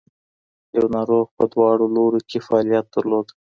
یو ناروغ په دواړو لورو کې فعالیت درلود.